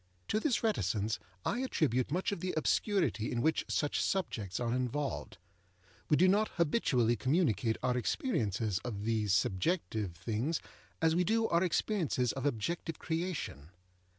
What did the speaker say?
To this reticence I attribute much of the obscurity in which such subjects are involved. We do not habitually communicate our experiences of these subjective things as we do our experiences of objective creation.